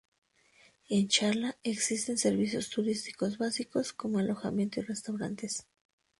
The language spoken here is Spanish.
En Chala existen servicios turísticos básicos; como alojamiento y restaurantes.